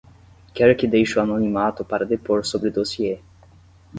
Quer que deixe o anonimato para depor sobre dossiê